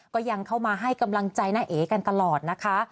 ก็ยังเข้ามาให้กำลังใจน้าเอ๋กันตลอดนะคะ